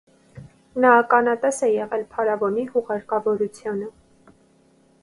Նա ականատես է եղել փարավոնի հուղարկավորությանը։